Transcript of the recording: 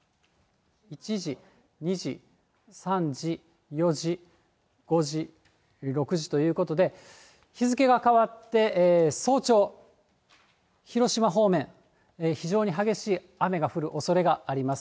１時、２時、３時、４時、５時、６時ということで、日付が変わって早朝、広島方面、非常に激しい雨が降るおそれがあります。